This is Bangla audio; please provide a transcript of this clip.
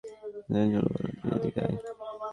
বাদামী চুল ওয়ালা তুই এদিকে আয়।